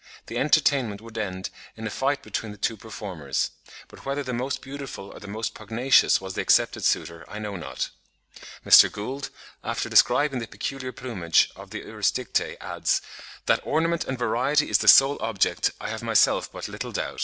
The entertainment would end in a fight between the two performers; but whether the most beautiful or the most pugnacious was the accepted suitor, I know not." Mr. Gould, after describing the peculiar plumage of the Urosticte, adds, "that ornament and variety is the sole object, I have myself but little doubt." (55.